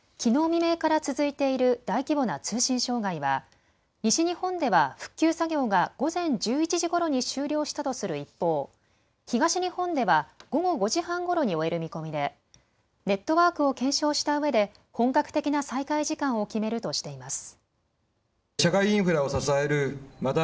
未明から続いている大規模な通信障害は西日本では復旧作業が午前１１時ごろに終了したとする一方、東日本では午後５時半ごろに終える見込みでネットワークを検証したうえで本格的な再開時間を決めるとしています。